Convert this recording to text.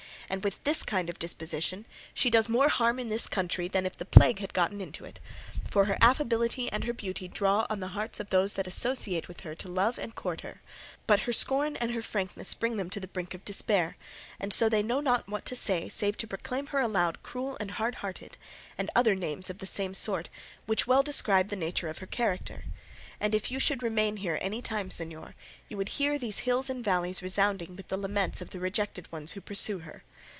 And with this kind of disposition she does more harm in this country than if the plague had got into it, for her affability and her beauty draw on the hearts of those that associate with her to love her and to court her, but her scorn and her frankness bring them to the brink of despair; and so they know not what to say save to proclaim her aloud cruel and hard hearted, and other names of the same sort which well describe the nature of her character; and if you should remain here any time, señor, you would hear these hills and valleys resounding with the laments of the rejected ones who pursue her.